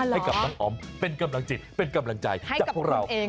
ให้กับน้องอ๋อมเป็นกำลังจิตเป็นกำลังใจจากพวกเรา